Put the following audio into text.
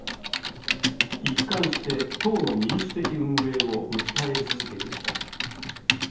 一貫して党の民主的運営を訴え続けてきた。